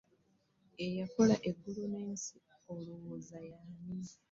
Eyakola eggulu n'ensi olowooza y'ani?